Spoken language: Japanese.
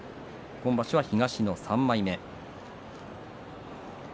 今場所は東の３枚目です。